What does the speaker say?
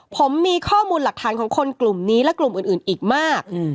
ผมมีข้อมูลหลักฐานของคนกลุ่มนี้และกลุ่มอื่นอีกมาก